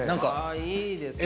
いいですね。